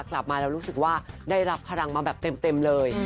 กลับมาแล้วรู้สึกว่าได้รับพลังมาแบบเต็มเลย